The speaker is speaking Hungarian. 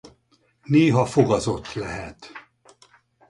Néha fogazott lehet.